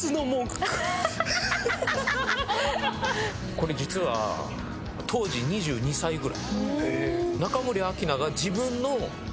これ実は当時２２才ぐらい。